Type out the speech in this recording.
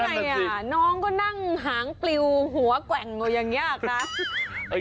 แล้วไงน้องก็นั่งหางปลิวหัวกว่างอย่างยากนะ